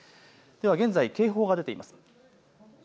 では現在、警報が出ています。